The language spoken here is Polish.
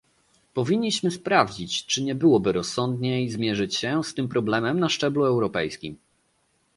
Powinniśmy sprawdzić, czy nie byłoby rozsądniej zmierzyć się z tym problemem na szczeblu europejskim